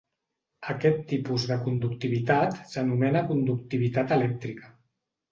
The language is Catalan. Aquest tipus de conductivitat s'anomena conductivitat elèctrica.